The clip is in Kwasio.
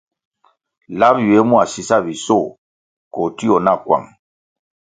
Lap ywie mua sisabisoh koh tio na kwang.